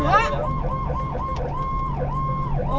ผู้ชีพเราบอกให้สุจรรย์ว่า๒